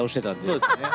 そうですね。